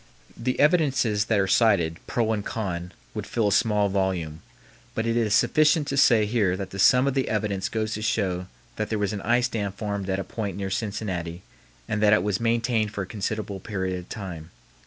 The evidences that are cited, pro and con, would fill a small volume, but it is sufficient to say here that the sum of the evidence goes to show that there was an ice dam formed at a point near Cincinnati and that it was maintained for a considerable period of time.